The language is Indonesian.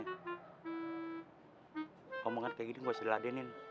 ngomongan kayak gini nggak usah diladenin